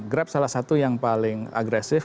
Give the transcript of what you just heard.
grab salah satu yang paling agresif